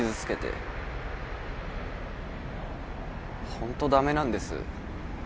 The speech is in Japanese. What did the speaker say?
ホント駄目なんです。